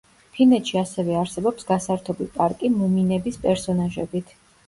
ფინეთში ასევე არსებობს გასართობი პარკი მუმინების პერსონაჟებით.